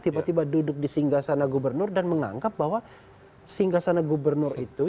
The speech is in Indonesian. tiba tiba duduk di singgah sana gubernur dan menganggap bahwa singgah sana gubernur itu